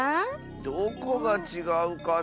どこがちがうかなあ。